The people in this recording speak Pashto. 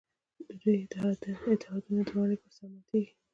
د دوی اتحادونه د ونډې پر سر ماتېږي.